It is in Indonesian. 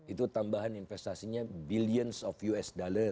itu tambahan investasinya billiance of us dollar